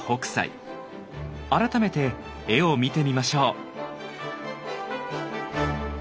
改めて絵を見てみましょう。